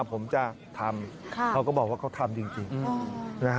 ผมจะทำเขาก็บอกว่าเขาทำจริงนะฮะ